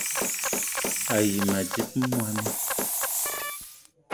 A yi ma dzip moni